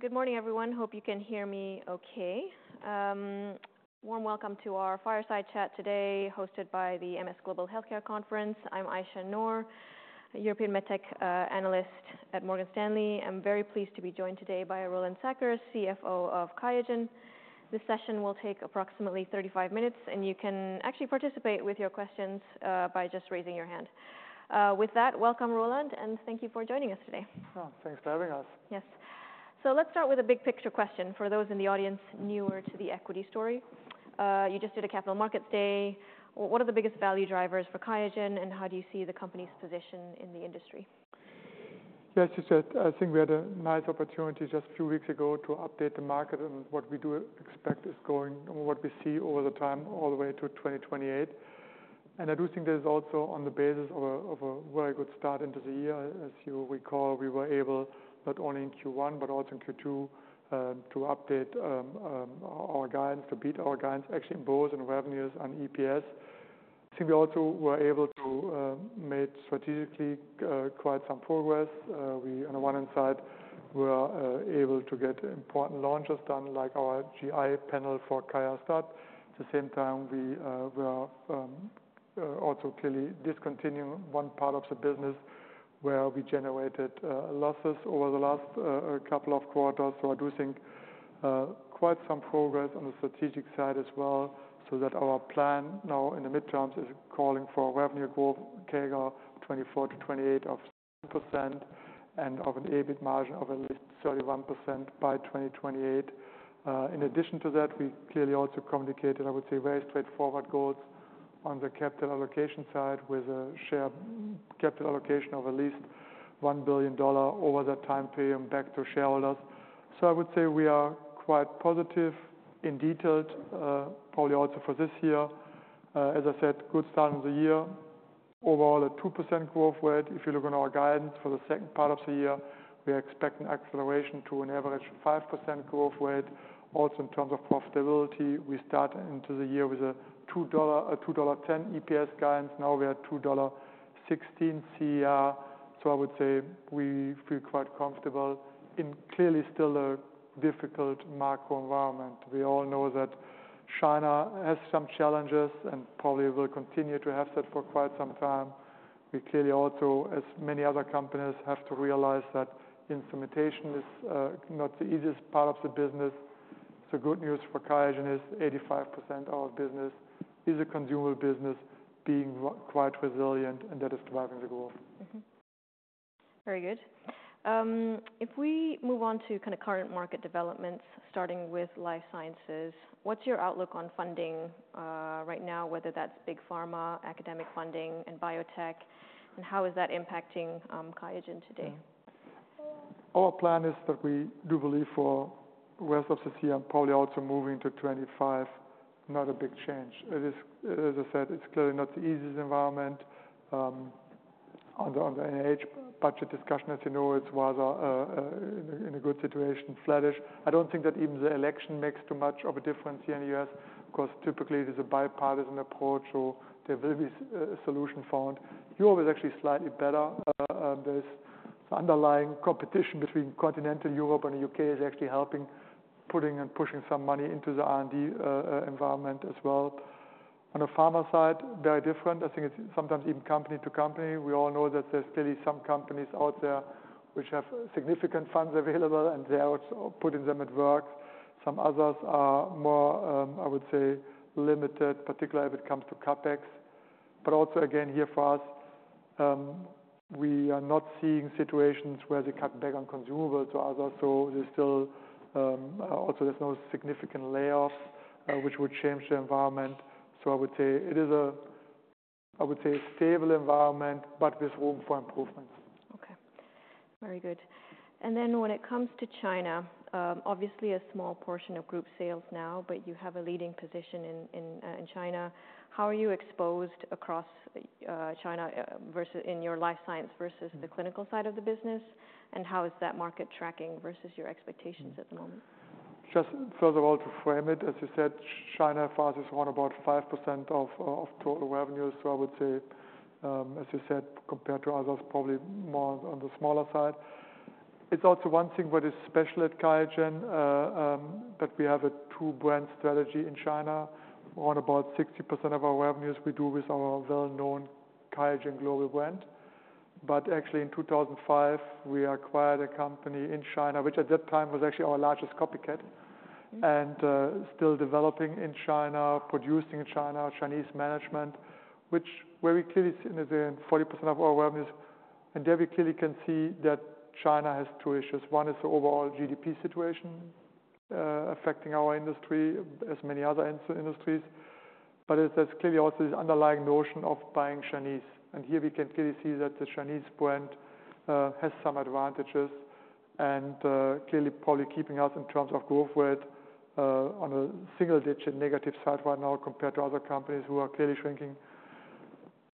Good morning, everyone. Hope you can hear me okay. Warm welcome to our fireside chat today, hosted by the MS Global Healthcare Conference. I'm Aisyah Noor, a European MedTech analyst at Morgan Stanley. I'm very pleased to be joined today by Roland Sackers, CFO of QIAGEN. This session will take approximately 35 minutes, and you can actually participate with your questions by just raising your hand. With that, welcome, Roland, and thank you for joining us today. Oh, thanks for having us. Yes. So let's start with a big picture question for those in the audience newer to the equity story. You just did a capital markets day. What are the biggest value drivers for QIAGEN, and how do you see the company's position in the industry? Yes, as you said, I think we had a nice opportunity just a few weeks ago to update the market on what we do expect is going, on what we see over the time, all the way to 2028. And I do think there is also, on the basis of a very good start into the year, as you recall, we were able, not only in Q1 but also in Q2, to update our guidance, to beat our guidance actually in both in revenues and EPS. I think we also were able to make strategically quite some progress. We, on the one hand side, were able to get important launches done, like our GI panel for QIAstat. At the same time, we are also clearly discontinuing one part of the business where we generated losses over the last couple of quarters. So I do think quite some progress on the strategic side as well, so that our plan now in the mid-terms is calling for a revenue growth CAGR of 24%-28%, and of an EBIT margin of at least 31% by 2028. In addition to that, we clearly also communicated, I would say, very straightforward goals on the capital allocation side, with a share capital allocation of at least $1 billion over that time period back to shareholders. So I would say we are quite positive in detail, probably also for this year. As I said, good start of the year. Overall, a 2% growth rate. If you look on our guidance for the second part of the year, we are expecting acceleration to an average 5% growth rate. Also, in terms of profitability, we start into the year with a $2, a $2.10 EPS guidance. Now we are at $2.16 CER. So I would say we feel quite comfortable in clearly still a difficult macro environment. We all know that China has some challenges and probably will continue to have that for quite some time. We clearly also, as many other companies, have to realize that instrumentation is not the easiest part of the business. The good news for QIAGEN is 85% of our business is a consumable business, being quite resilient, and that is driving the growth. Mm-hmm. Very good. If we move on to kind of current market developments, starting with life sciences, what's your outlook on funding right now, whether that's big pharma, academic funding and biotech, and how is that impacting QIAGEN today? Our plan is that we do believe for rest of this year and probably also moving to 2025, not a big change. It is, as I said, it's clearly not the easiest environment. On the NIH budget discussion, as you know, it was in a good situation, flattish. I don't think that even the election makes too much of a difference here in the U.S., because typically there's a bipartisan approach, so there will be a solution found. Europe is actually slightly better. There's underlying competition between continental Europe and the U.K. is actually helping, putting and pushing some money into the R&D environment as well. On the pharma side, very different. I think it's sometimes even company to company. We all know that there's clearly some companies out there which have significant funds available, and they are also putting them at work. Some others are more, I would say, limited, particularly if it comes to CapEx. But also, again, here for us, we are not seeing situations where they cut back on consumables to others, so there's still. Also, there's no significant layoffs, which would change the environment. So I would say it is a, I would say, stable environment, but with room for improvement. Okay, very good. And then when it comes to China, obviously a small portion of group sales now, but you have a leading position in China. How are you exposed across China versus in your life science versus the clinical side of the business, and how is that market tracking versus your expectations at the moment? Just first of all, to frame it, as you said, China for us is around about 5% of total revenues. So I would say, as you said, compared to others, probably more on the smaller side. It's also one thing what is special at QIAGEN, that we have a two-brand strategy in China. On about 60% of our revenues we do with our well-known QIAGEN global brand. But actually, in 2005, we acquired a company in China, which at that time was actually our largest copycat, and still developing in China, producing in China, Chinese management, which where we clearly see in the 40% of our revenues. And there we clearly can see that China has two issues. One is the overall GDP situation, affecting our industry as many other industries. But there's clearly also this underlying notion of buying Chinese, and here we can clearly see that the Chinese brand has some advantages and clearly probably keeping us in terms of growth rate on a single digit negative side right now compared to other companies who are clearly shrinking.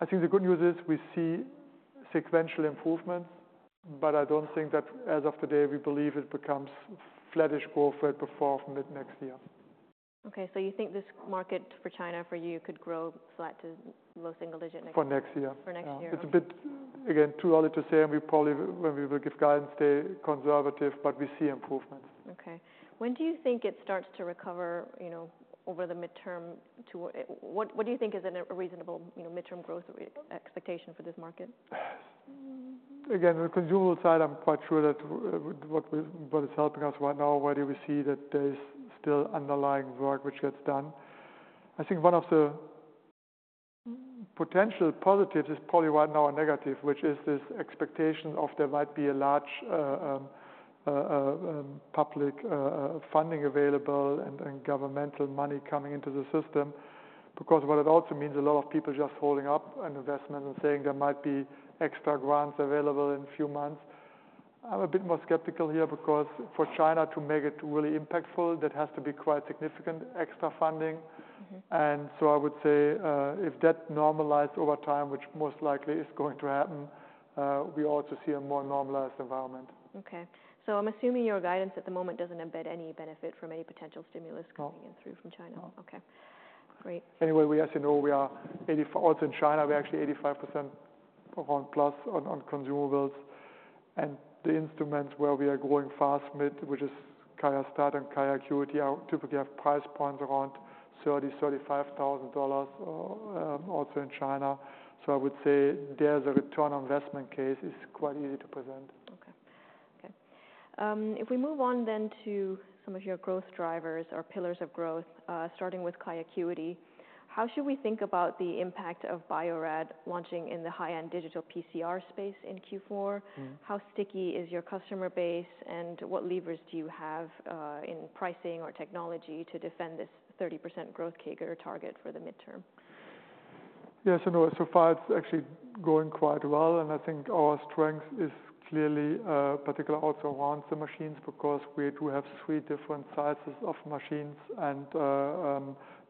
I think the good news is we see sequential improvements, but I don't think that as of today, we believe it becomes flattish growth rate before mid-next year. ... Okay, so you think this market for China, for you, could grow flat to low single digit next year? For next year. For next year. Yeah, it's a bit, again, too early to say, and we probably, when we will give guidance, stay conservative, but we see improvements. Okay. When do you think it starts to recover, you know, over the midterm? What do you think is a reasonable, you know, midterm growth expectation for this market? Again, the consumable side, I'm quite sure that what is helping us right now, where do we see that there is still underlying work which gets done. I think one of the potential positives is probably right now a negative, which is this expectation of there might be a large public funding available and governmental money coming into the system. Because what it also means, a lot of people just holding up an investment and saying there might be extra grants available in a few months. I'm a bit more skeptical here, because for China to make it really impactful, that has to be quite significant extra funding. Mm-hmm. I would say, if that normalized over time, which most likely is going to happen, we also see a more normalized environment. Okay. So I'm assuming your guidance at the moment doesn't embed any benefit from any potential stimulus- No coming in through from China? No. Okay, great. Anyway, we as you know, we are 84%. Also in China, we're actually 85% around plus on consumables. And the instruments where we are growing fast, mid, which is QIAstat and QIAcuity, typically have price points around $30,000-$35,000 also in China. So I would say there's a return on investment case, it's quite easy to present. Okay. Okay, if we move on then to some of your growth drivers or pillars of growth, starting with QIAcuity. How should we think about the impact of Bio-Rad launching in the high-end digital PCR space in Q4? Mm. How sticky is your customer base, and what levers do you have in pricing or technology to defend this 30% growth CAGR target for the midterm? Yes, so no, so far it's actually going quite well, and I think our strength is clearly particularly also around the machines, because we do have three different sizes of machines. And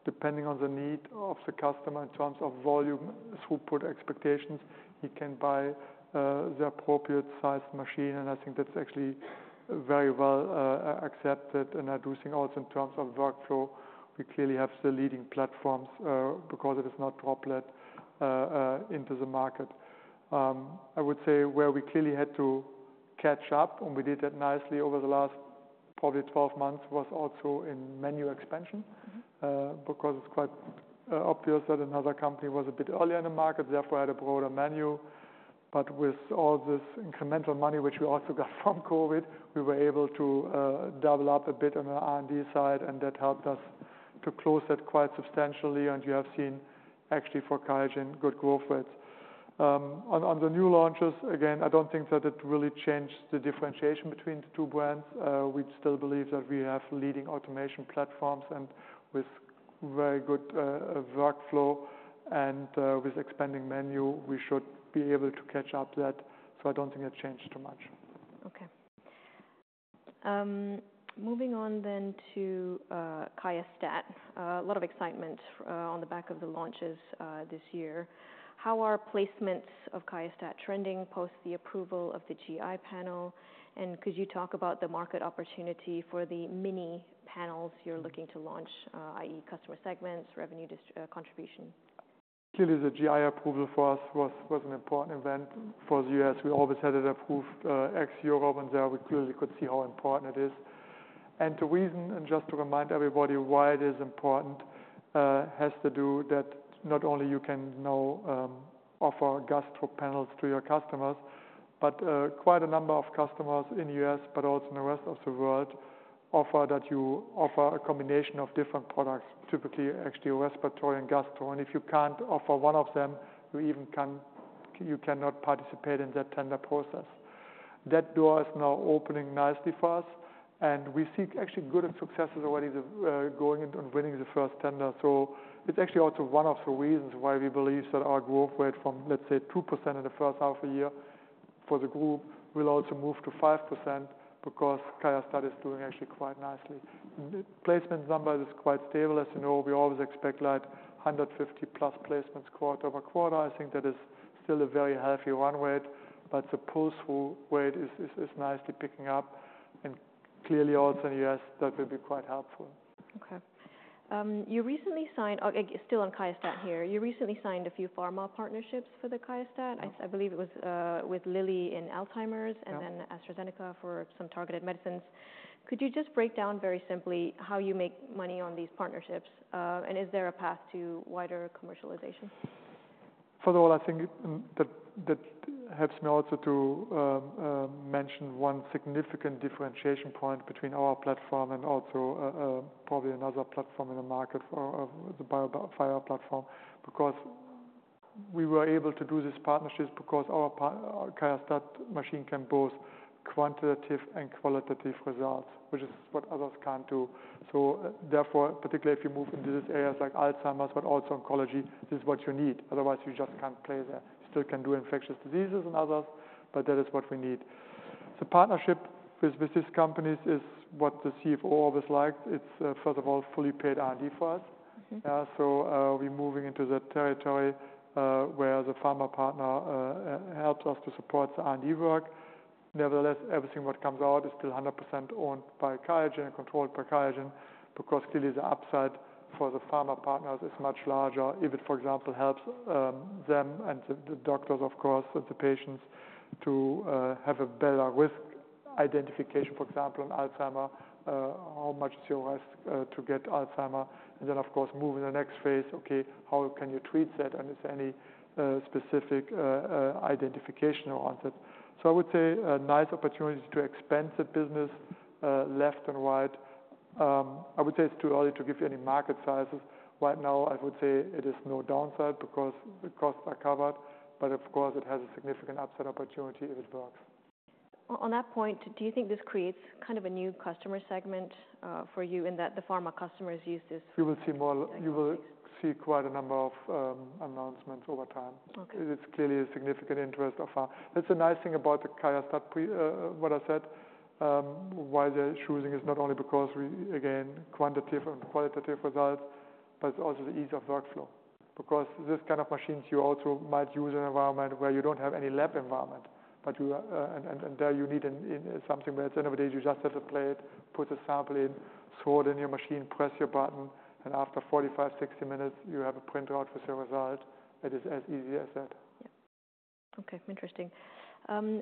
depending on the need of the customer in terms of volume, throughput expectations, he can buy the appropriate sized machine, and I think that's actually very well accepted. And I do think also in terms of workflow, we clearly have the leading platforms because it is not droplet into the market. I would say where we clearly had to catch up, and we did that nicely over the last probably 12 months, was also in menu expansion. Mm-hmm. Because it's quite obvious that another company was a bit early in the market, therefore, had a broader menu. But with all this incremental money, which we also got from COVID, we were able to double up a bit on the R&D side, and that helped us to close that quite substantially, and you have seen actually for QIAGEN, good growth rates. On the new launches, again, I don't think that it really changed the differentiation between the two brands. We still believe that we have leading automation platforms and with very good workflow and with expanding menu, we should be able to catch up that. So I don't think it changed too much. Okay. Moving on then to QIAstat. A lot of excitement on the back of the launches this year. How are placements of QIAstat trending post the approval of the GI panel? And could you talk about the market opportunity for the mini panels you're looking to launch, i.e., customer segments, revenue dis- contribution? Clearly, the GI approval for us was an important event for the U.S.. We always had it approved ex-Europe, and there we clearly could see how important it is. And the reason, and just to remind everybody why it is important, has to do that not only you can now offer gastro panels to your customers, but quite a number of customers in the U.S., but also in the rest of the world, offer that you offer a combination of different products, typically actually respiratory and gastro. And if you can't offer one of them, you cannot participate in that tender process. That door is now opening nicely for us, and we see actually good successes already, the going into and winning the first tender. It's actually also one of the reasons why we believe that our growth rate from, let's say, 2% in the first half of the year for the group, will also move to 5%, because QIAstat is doing actually quite nicely. Placement numbers is quite stable. As you know, we always expect like 150+ placements quarter-over-quarter. I think that is still a very healthy run rate, but the pull through rate is nicely picking up and clearly also in the U.S., that will be quite helpful. Okay. Still on QIAstat here. You recently signed a few pharma partnerships for the QIAstat. Yep. I believe it was with Lilly in Alzheimer's- Yep And then AstraZeneca for some targeted medicines. Could you just break down very simply how you make money on these partnerships, and is there a path to wider commercialization? First of all, I think that helps me also to mention one significant differentiation point between our platform and also probably another platform in the market for the BioFire platform. Because we were able to do these partnerships because our QIAstat machine can boast quantitative and qualitative results, which is what others can't do. So therefore, particularly if you move into these areas like Alzheimer's, but also oncology, this is what you need, otherwise you just can't play there. You still can do infectious diseases and others, but that is what we need. The partnership with these companies is what the CFO always liked. It's first of all, fully paid R&D for us. Mm-hmm. So, we're moving into the territory where the pharma partner helps us to support the R&D work. Nevertheless, everything what comes out is still 100% owned by QIAGEN and controlled by QIAGEN, because clearly the upside for the pharma partners is much larger if it, for example, helps them and the doctors, of course, and the patients to have a better risk identification. For example, in Alzheimer's, how much is your risk to get Alzheimer's? And then, of course, move in the next phase. Okay, how can you treat that? And is there any specific identification around it? So I would say a nice opportunity to expand the business left and right. I would say it's too early to give you any market sizes. Right now, I would say it is no downside because the costs are covered, but of course it has a significant upside opportunity if it works. On that point, do you think this creates kind of a new customer segment for you in that the pharma customers use this? You will see quite a number of announcements over time. Okay. It's clearly a significant interest so far. That's the nice thing about the QIAstat, what I said, why they're choosing is not only because we, again, quantitative and qualitative results, but it's also the ease of workflow. Because these kind of machines, you also might use in an environment where you don't have any lab environment, but you. And there you need something where at the end of the day, you just set a plate, put a sample in, throw it in your machine, press your button, and after 45-60 minutes, you have a printout with your result. It is as easy as that. Yeah. Okay, interesting.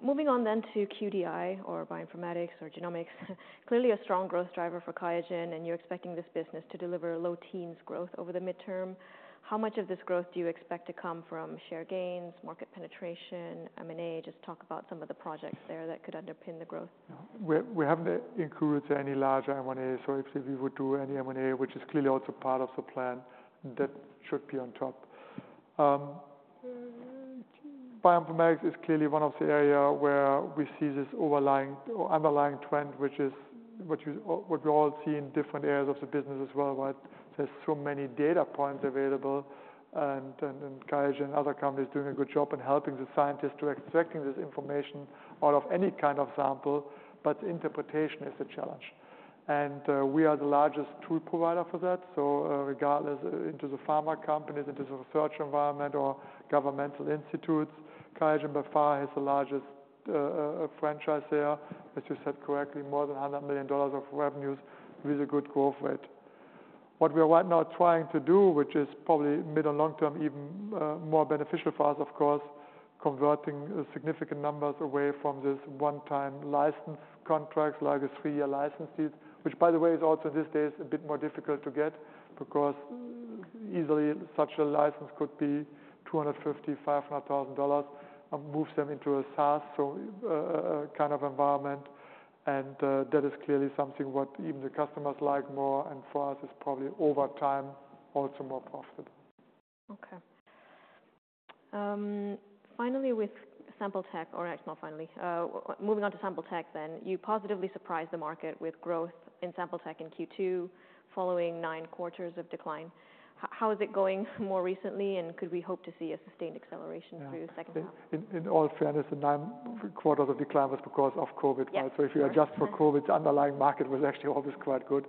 Moving on then to QDI or bioinformatics or genomics, clearly a strong growth driver for QIAGEN, and you're expecting this business to deliver low teens growth over the midterm. How much of this growth do you expect to come from share gains, market penetration, M&A? Just talk about some of the projects there that could underpin the growth. We haven't included any larger M&A, so if we would do any M&A, which is clearly also part of the plan, that should be on top. Bioinformatics is clearly one of the area where we see this overlying or underlying trend, which is what we all see in different areas of the business as well, right? There's so many data points available, and QIAGEN and other companies doing a good job in helping the scientists to extracting this information out of any kind of sample, but interpretation is the challenge, and we are the largest tool provider for that. So, regardless, into the pharma companies, into the research environment or governmental institutes, QIAGEN by far has the largest franchise there. As you said, correctly, more than $100 million of revenues with a good growth rate. What we are right now trying to do, which is probably mid or long term, even, more beneficial for us, of course, converting significant numbers away from this one-time license contracts, like a three-year license fees. Which by the way, is also these days, a bit more difficult to get, because easily such a license could be $250,000-$500,000, and moves them into a SaaS, so, kind of environment. That is clearly something what even the customers like more, and for us, it's probably over time, also more profitable. Okay. Finally, with Sample Tech or actually, not finally. Moving on to Sample Tech then, you positively surprised the market with growth in Sample Tech in Q2, following nine quarters of decline. How is it going more recently, and could we hope to see a sustained acceleration through the second half? In all fairness, the nine quarters of decline was because of Covid. Yes. So if you adjust for COVID, the underlying market was actually always quite good.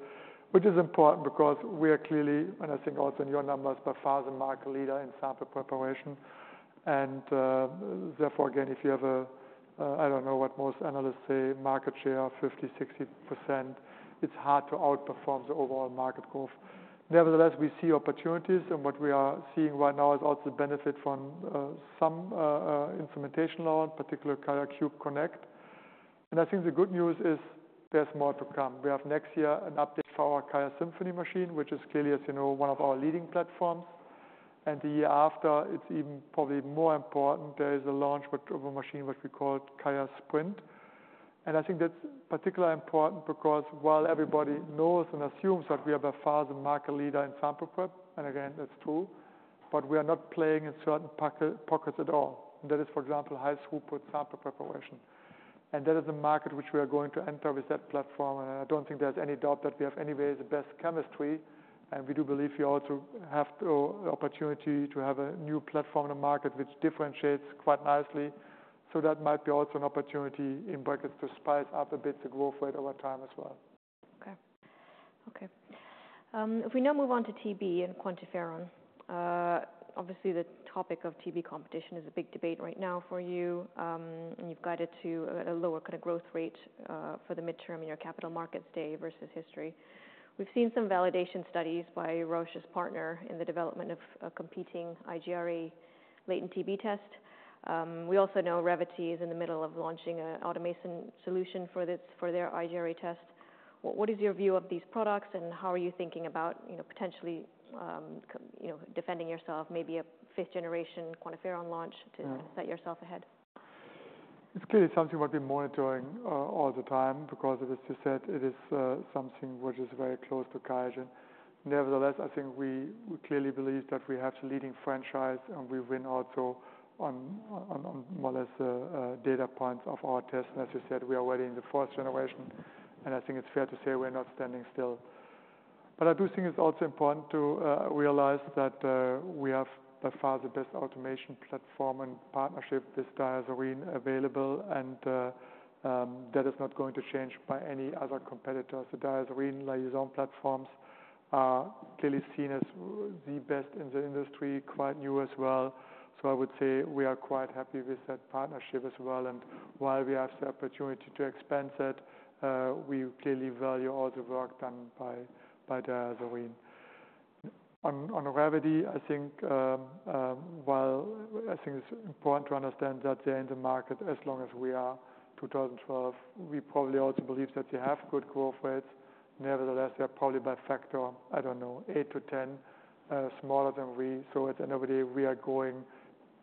Which is important because we are clearly, and I think also in your numbers, by far the market leader in sample preparation. And, therefore, again, if you have a, I don't know what most analysts say, market share, 50%-60%, it's hard to outperform the overall market growth. Nevertheless, we see opportunities, and what we are seeing right now is also the benefit from some implementations, in particular, QIAcube Connect. And I think the good news is there's more to come. We have next year an update for our QIAsymphony machine, which is clearly, as you know, one of our leading platforms. And the year after, it's even probably more important, there is a launch with, of a machine which we call QIAsprint. And I think that's particularly important because while everybody knows and assumes that we are by far the market leader in sample prep, and again, that's true, but we are not playing in certain pockets at all. That is, for example, high throughput sample preparation. And that is a market which we are going to enter with that platform, and I don't think there's any doubt that we have anyways the best chemistry. And we do believe we also have the opportunity to have a new platform in the market, which differentiates quite nicely. So that might be also an opportunity, in brackets, to spice up a bit the growth rate over time as well. Okay. Okay, if we now move on to TB and QuantiFERON. Obviously, the topic of TB competition is a big debate right now for you, and you've guided to a lower kind of growth rate for the midterm in your Capital Markets Day versus history. We've seen some validation studies by Roche's partner in the development of a competing IGRA latent TB test. We also know Revvity is in the middle of launching an automation solution for this, for their IGRA test. What is your view of these products, and how are you thinking about, you know, potentially, you know, defending yourself, maybe a fifth generation QuantiFERON launch to- Yeah... set yourself ahead? It's clearly something we've been monitoring all the time because as you said, it is something which is very close to QIAGEN. Nevertheless, I think we clearly believe that we have the leading franchise, and we win also on more or less data points of our test. And as you said, we are already in the fourth generation, and I think it's fair to say we're not standing still. But I do think it's also important to realize that we have by far the best automation platform and partnership with DiaSorin available, and that is not going to change by any other competitors. The DiaSorin Liaison platforms clearly seen as the best in the industry, quite new as well. I would say we are quite happy with that partnership as well, and while we have the opportunity to expand that, we clearly value all the work done by DiaSorin. On QIAsymphony, I think, while I think it's important to understand that they are in the market as long as we are, 2012, we probably also believe that they have good growth rates. Nevertheless, they are probably by factor, I don't know, eight to 10, smaller than we. At QIAGEN, we are growing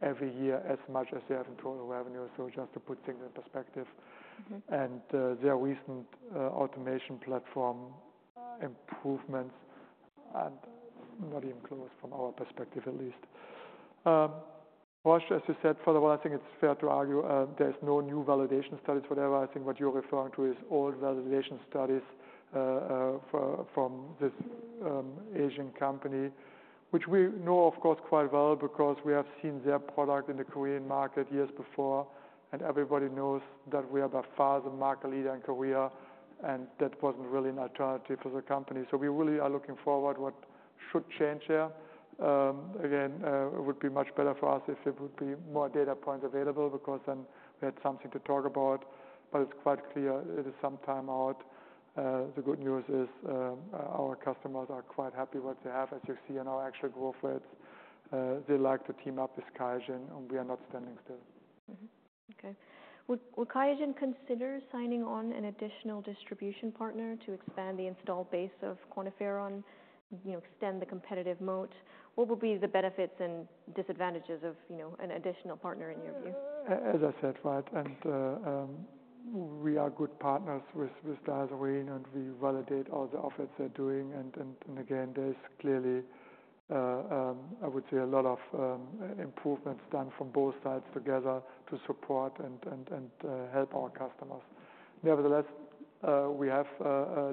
every year as much as they have in total revenue. Just to put things in perspective. Their recent automation platform improvements are not even close from our perspective at least. As you said, further, I think it's fair to argue, there are no new validation studies, whatever. I think what you're referring to is old validation studies from this Asian company, which we know, of course, quite well because we have seen their product in the Korean market years before, and everybody knows that we are by far the market leader in Korea, and that wasn't really an alternative for the company. So we really are looking forward what should change there. Again, it would be much better for us if it would be more data points available, because then we had something to talk about. But it's quite clear it is some time out. The good news is, our customers are quite happy what they have, as you see in our actual growth rates. They like to team up with QIAGEN, and we are not standing still. Mm-hmm. Okay. Would QIAGEN consider signing on an additional distribution partner to expand the install base of QuantiFERON, you know, extend the competitive moat? What would be the benefits and disadvantages of, you know, an additional partner, in your view? As I said, right, we are good partners with DiaSorin, and we validate all the efforts they're doing, and again, there is clearly, I would say, a lot of improvements done from both sides together to support and help our customers. Nevertheless, we have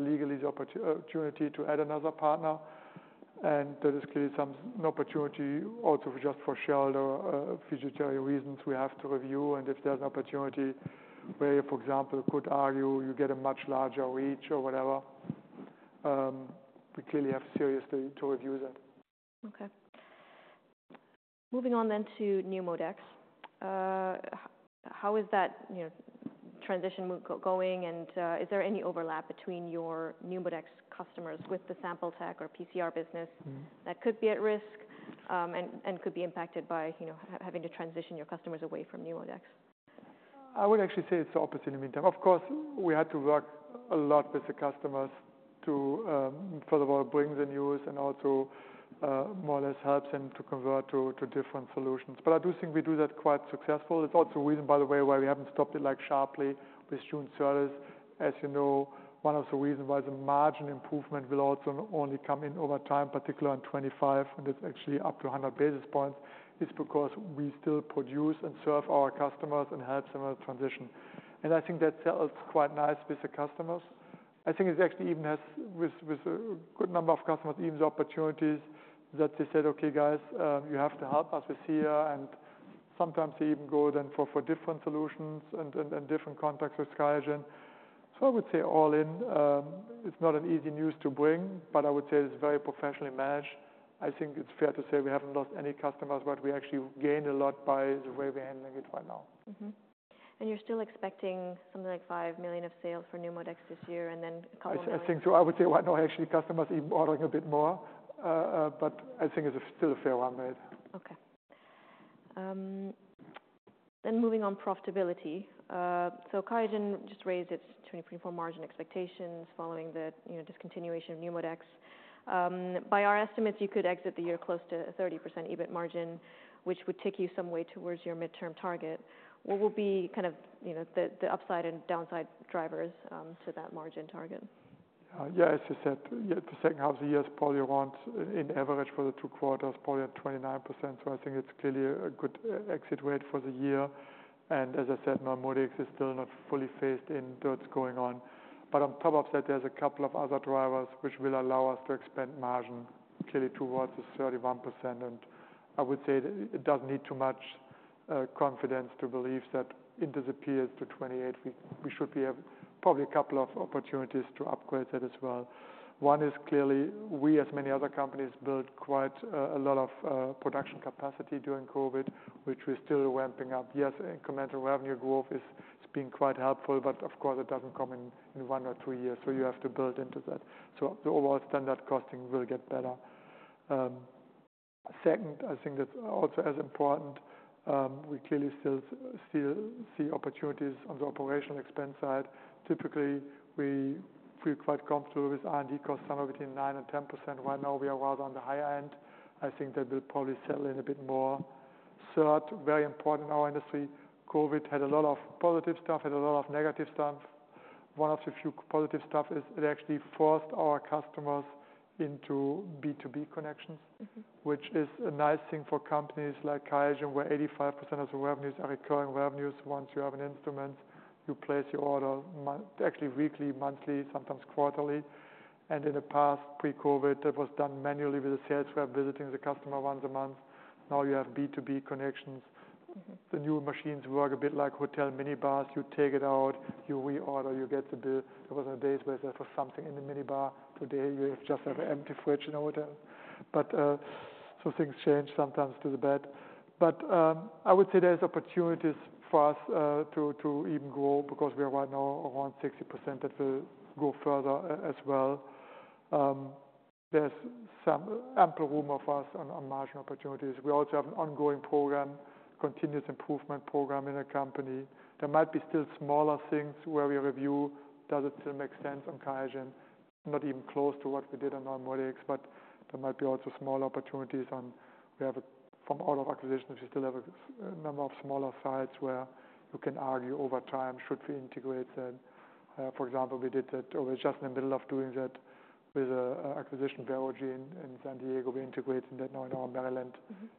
legally the opportunity to add another partner, and there is clearly some opportunity also just for strategic or fiduciary reasons we have to review, and if there's an opportunity where, for example, could argue you get a much larger reach or whatever, we clearly have seriously to review that. Okay. Moving on then to NeuMoDx. How is that, you know, transition going, and is there any overlap between your NeuMoDx customers with the sample tech or PCR business- Mm-hmm. -that could be at risk, and could be impacted by, you know, having to transition your customers away from NeuMoDx? I would actually say it's the opposite in the meantime. Of course, we had to work a lot with the customers to first of all, bring the news and also more or less help them to convert to different solutions. But I do think we do that quite successful. It's also a reason, by the way, why we haven't stopped it, like, sharply with June service. As you know, one of the reasons why the margin improvement will also only come in over time, particularly in twenty-five, and it's actually up to one hundred basis points, is because we still produce and serve our customers and help them with transition, and I think that sells quite nice with the customers. I think it actually even has, with a good number of customers, even the opportunities that they said, "Okay, guys, you have to help us with here," and sometimes they even go then for different solutions and different contacts with QIAGEN, so I would say all in, it's not an easy news to bring, but I would say it's very professionally managed. I think it's fair to say we haven't lost any customers, but we actually gained a lot by the way we're handling it right now. Mm-hmm. And you're still expecting something like $5 million of sales for NeuMoDx this year, and then a couple million- I think so. I would say right now, actually, customers even ordering a bit more, but I think it's still a fair one, right? Okay. Then moving on, profitability. So QIAGEN just raised its 2023/2024 margin expectations following the, you know, discontinuation of NeuMoDx. By our estimates, you could exit the year close to a 30% EBIT margin, which would take you some way towards your midterm target. What will be kind of, you know, the upside and downside drivers to that margin target? Yeah, as you said, the second half of the year is probably around, on average for the two quarters, probably at 29%, so I think it's clearly a good exit rate for the year. And as I said, NeuMoDx is still not fully phased in, so it's going on. But on top of that, there's a couple of other drivers which will allow us to expand margin clearly towards the 31%. And I would say it doesn't need too much confidence to believe that if it dips to 28%, we should have probably a couple of opportunities to upgrade that as well. One is clearly, as many other companies, we built quite a lot of production capacity during COVID, which we're still ramping up. Yes, incremental revenue growth is being quite helpful, but of course, it doesn't come in one or two years, so you have to build into that. So the overall standard costing will get better. Second, I think that's also as important, we clearly still see opportunities on the operational expense side. Typically, we feel quite comfortable with R&D costs, somewhere between 9% and 10%. Right now, we are rather on the higher end. I think that will probably settle in a bit more. Third, very important, our industry, COVID had a lot of positive stuff, had a lot of negative stuff. One of the few positive stuff is it actually forced our customers into B2B connections- Mm-hmm. -which is a nice thing for companies like QIAGEN, where 85% of the revenues are recurring revenues. Once you have an instrument, you place your order mon- actually weekly, monthly, sometimes quarterly. And in the past, pre-COVID, that was done manually with a sales rep visiting the customer once a month. Now you have B2B connections.... the new machines work a bit like hotel mini bars. You take it out, you reorder, you get the bill. There was days where there was something in the mini bar, today you just have an empty fridge in the hotel. But, so things change, sometimes to the bad. But, I would say there's opportunities for us, to even grow, because we are right now around 60%, that will go further as well. There's some ample room for us on margin opportunities. We also have an ongoing program, continuous improvement program in the company. There might be still smaller things where we review, does it still make sense on QIAGEN? Not even close to what we did on NeuMoDx, but there might be also small opportunities on. We have, from all of our acquisitions, we still have a number of smaller sites where you can argue over time, should we integrate that? For example, we did that or we're just in the middle of doing that with a Biomatrica acquisition in San Diego. We integrated that now in our Maryland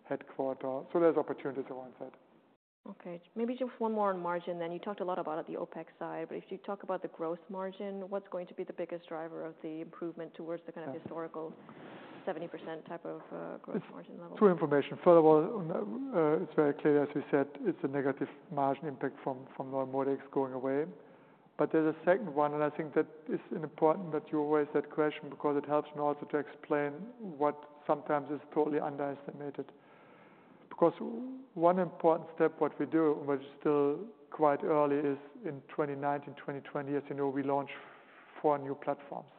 headquarters. So there's opportunities around that. Okay. Maybe just one more on margin then. You talked a lot about on the OpEx side, but if you talk about the gross margin, what's going to be the biggest driver of the improvement towards the kind of- Yeah... historical 70% type of gross margin level? It's true information. Furthermore, it's very clear, as we said, it's a negative margin impact from, from NeuMoDx going away. But there's a second one, and I think that it's important that you raise that question because it helps me also to explain what sometimes is totally underestimated. Because one important step, what we do, which is still quite early, is in 2019, 2020, as you know, we launched four new platforms.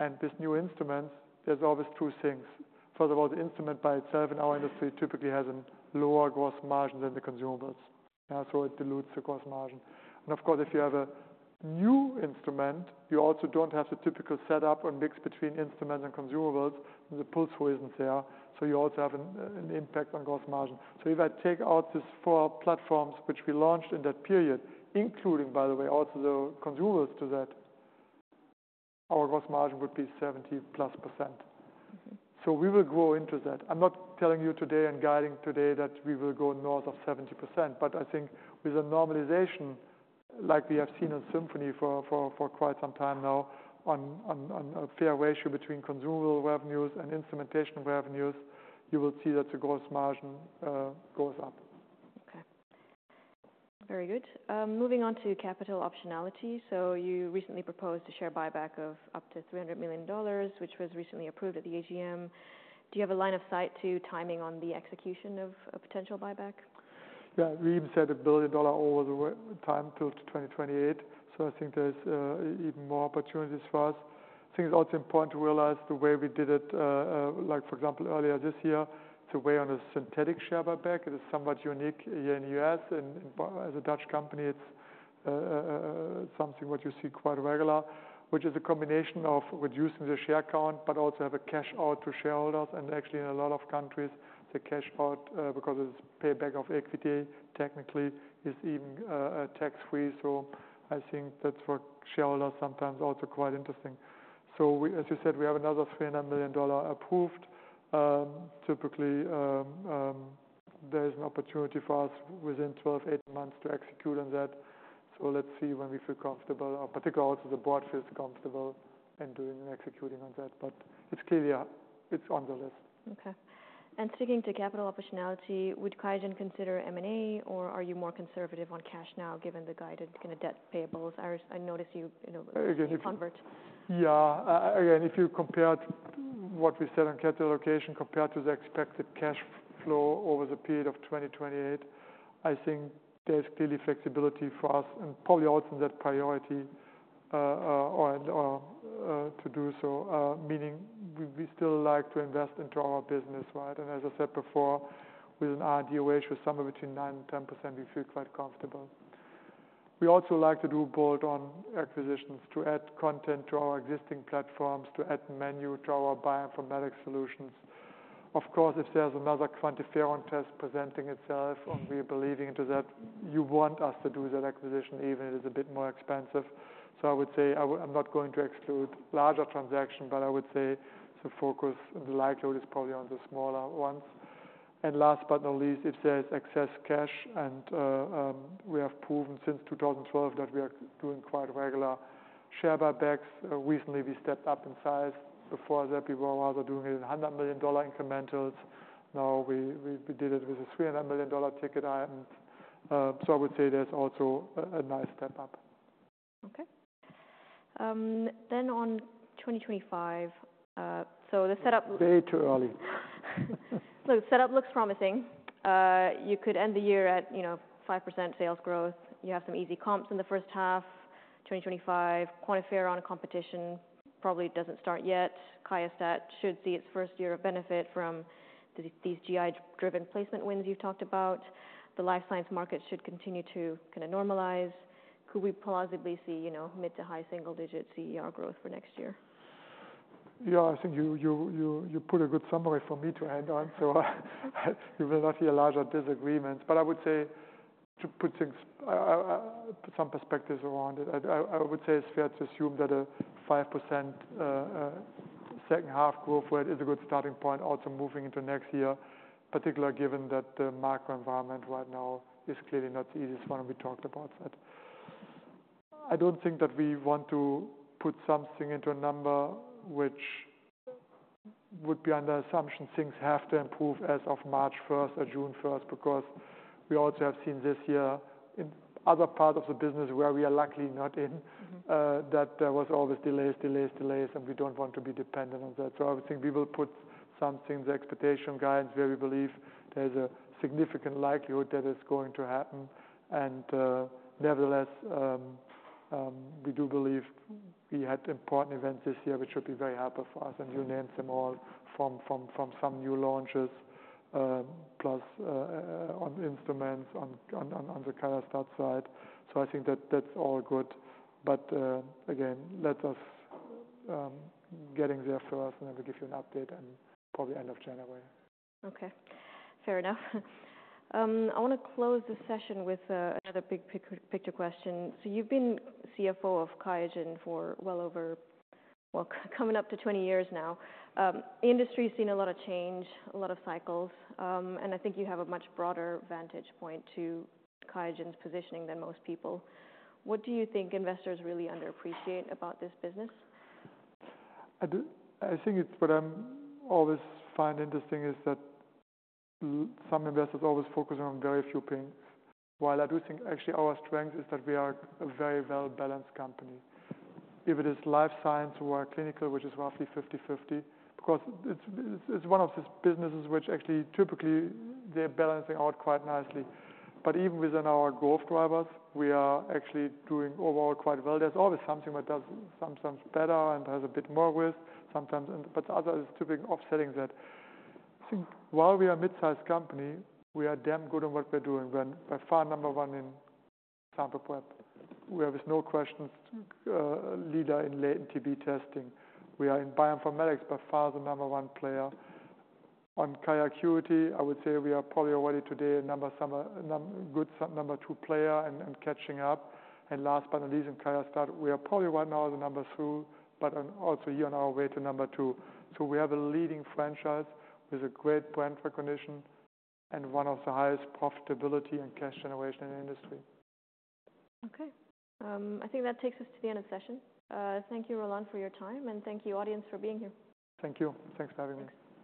And these new instruments, there's always two things. First of all, the instrument by itself in our industry typically has a lower gross margin than the consumables, so it dilutes the gross margin. And of course, if you have a new instrument, you also don't have the typical setup or mix between instruments and consumables, and the pull-through isn't there, so you also have an impact on gross margin. So if I take out these four platforms, which we launched in that period, including, by the way, also the consumables to that, our gross margin would be 70%+. So we will grow into that. I'm not telling you today and guiding today that we will go north of 70%, but I think with a normalization, like we have seen in QIAsymphony for quite some time now, on a fair ratio between consumable revenues and instrumentation revenues, you will see that the gross margin goes up. Okay. Very good. Moving on to capital optionality. So you recently proposed a share buyback of up to $300 million, which was recently approved at the AGM. Do you have a line of sight to timing on the execution of a potential buyback? Yeah, we even set a $1 billion over the time till 2028, so I think there's even more opportunities for us. I think it's also important to realize the way we did it, like for example, earlier this year, it was on a synthetic share buyback. It is somewhat unique here in the U.S., but as a Dutch company, it's something what you see quite regular, which is a combination of reducing the share count, but also have a cash out to shareholders. And actually, in a lot of countries, the cash out, because it's payback of equity, technically is even tax-free. So I think that's for shareholders, sometimes also quite interesting. So we, as you said, we have another $300 million approved. Typically, there is an opportunity for us within eight to 12 months to execute on that. So let's see when we feel comfortable, particularly also the board feels comfortable in doing and executing on that. But it's clearly on the list. Okay. And sticking to capital optionality, would QIAGEN consider M&A, or are you more conservative on cash now, given the guided kind of debt payables? I notice you, you know, convert. Yeah. Again, if you compare what we said on capital allocation compared to the expected cash flow over the period of 2028, I think there's clearly flexibility for us and probably also that priority to do so. Meaning we still like to invest into our business, right? And as I said before, with an R&D ratio somewhere between 9% and 10%, we feel quite comfortable. We also like to do bolt-on acquisitions to add content to our existing platforms, to add menu to our bioinformatics solutions. Of course, if there's another QuantiFERON test presenting itself and we are believing into that, you want us to do that acquisition, even it is a bit more expensive. I would say I'm not going to exclude larger transaction, but I would say the focus and the likelihood is probably on the smaller ones. And last but not least, if there is excess cash, we have proven since 2012 that we are doing quite regular share buybacks. Recently, we stepped up in size. Before that, we were rather doing it in $100 million incrementals. Now, we did it with a $300 million ticket item. I would say there's also a nice step up. Okay. Then on 2025, so the setup- Way too early. The setup looks promising. You could end the year at, you know, 5% sales growth. You have some easy comps in the first half. 2025, QuantiFERON competition probably doesn't start yet. QIAstat should see its first year of benefit from these GI-driven placement wins you've talked about. The life science market should continue to kinda normalize. Could we plausibly see, you know, mid- to high-single-digit CER growth for next year? Yeah, I think you put a good summary for me to add on, so you will not hear a larger disagreement. But I would say, to put some perspectives around it, I would say it's fair to assume that a 5% second half growth rate is a good starting point, also moving into next year, particularly given that the macro environment right now is clearly not the easiest one, we talked about that. I don't think that we want to put something into a number which would be under the assumption things have to improve as of March first or June first, because we also have seen this year in other parts of the business where we are luckily not in, that there was always delays, and we don't want to be dependent on that. So I would think we will put some things, expectation, guidance, where we believe there's a significant likelihood that it's going to happen. And, nevertheless, we do believe we had important events this year, which should be very helpful for us. And you named them all from some new launches, plus on instruments, on the QIAstat side. So I think that's all good. But, again, let us getting there first, and then we'll give you an update and probably end of January. Okay, fair enough. I want to close this session with another big picture question. So you've been CFO of QIAGEN for well over, well, coming up to twenty years now. The industry has seen a lot of change, a lot of cycles, and I think you have a much broader vantage point to QIAGEN's positioning than most people. What do you think investors really underappreciate about this business? I think it's what I always find interesting is that some investors always focus on very few things. While I do think actually our strength is that we are a very well-balanced company. If it is life science or clinical, which is roughly 50/50, because it's one of those businesses which actually typically they're balancing out quite nicely. But even within our growth drivers, we are actually doing overall quite well. There's always something that does sometimes better and has a bit more risk sometimes, and but other is typically offsetting that. I think while we are a mid-sized company, we are damn good at what we're doing. We're by far number one in sample prep. We are without question leader in latent TB testing. We are in bioinformatics, by far the number one player. On QIAcuity, I would say we are probably already today number one, but a good number two player and catching up. Last but not least, in QIAstat, we are probably right now the number two, but also here on our way to number two. We have a leading franchise with a great brand recognition and one of the highest profitability and cash generation in the industry. Okay. I think that takes us to the end of session. Thank you, Roland, for your time, and thank you, audience, for being here. Thank you. Thanks for having me.